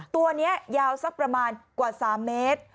ตัวนี้ยาวสักประมาณกว่า๓เมตร